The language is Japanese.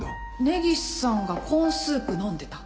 根岸さんがコーンスープ飲んでた。